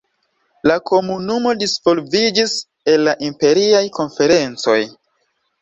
La Komunumo disvolviĝis el la Imperiaj Konferencoj.